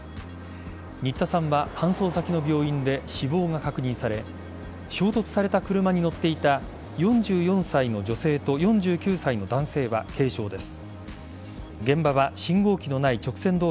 新田さんは搬送先の病院で死亡が確認され衝突された車に乗っていた４４歳の女性と４９歳の男性は軽傷です。